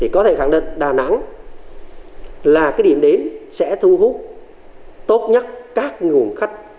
có thể khẳng định đà nẵng là điểm đến sẽ thu hút tốt nhất các nguồn khách